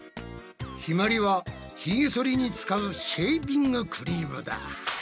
ひまりはひげそりに使うシェービングクリームだ。